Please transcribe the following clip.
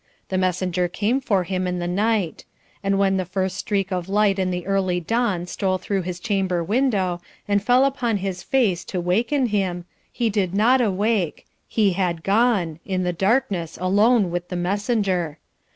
The messenger came for him in the night; and when the first streak of light in the early dawn stole through his chamber window, and fell upon his face to waken him, he did not awake, he had gone in the darkness alone with the messenger.